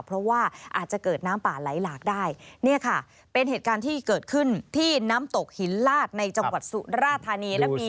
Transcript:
เพราะว่าอาจจะเกิดน้ำป่าไหลหลากได้เนี่ยค่ะเป็นเหตุการณ์ที่เกิดขึ้นที่น้ำตกหินลาดในจังหวัดสุราธานีและมี